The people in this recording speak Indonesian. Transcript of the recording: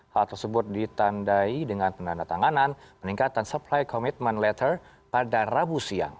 hal tersebut ditandai dengan penandatanganan peningkatan supply commitment letter pada rabu siang